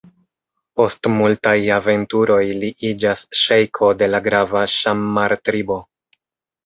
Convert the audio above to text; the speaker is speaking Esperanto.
Post multaj aventuroj li iĝas ŝejko de la grava Ŝammar-tribo.